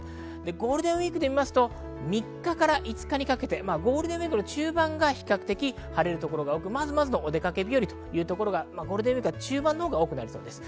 ゴールデンウイークで言いますと、３日から５日にかけてゴールデンウイーク中盤が比較的、晴れる所が多く、まずまずのお出かけ日和というところが中盤は多くなりそうです。